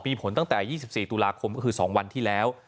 มีผลตั้งแต่๒๔ตุลาคมก็คือ๒วันที่แล้ว